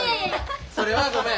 それはごめん。